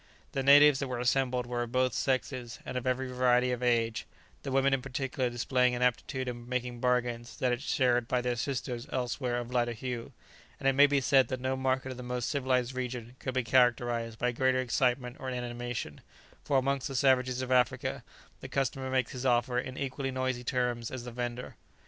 The natives that were assembled were of both sexes, and of every variety of age, the women in particular displaying an aptitude in making bargains that is shared by their sisters elsewhere of a lighter hue; and it may be said that no market of the most civilized region could be characterized by greater excitement or animation, for amongst the savages of Africa the customer makes his offer in equally noisy terms as the vendor.